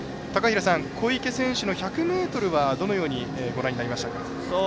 小池選手の１００ｍはどのようにご覧になりましたか？